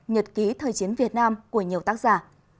nhật ký thời chiến việt nam của nhiều tác giả